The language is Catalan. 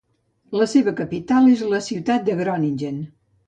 La seva capital és la ciutat de Groningen.